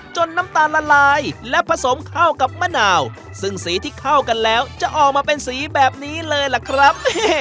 น้ำตาลละลายและผสมเข้ากับมะนาวซึ่งสีที่เข้ากันแล้วจะออกมาเป็นสีแบบนี้เลยล่ะครับ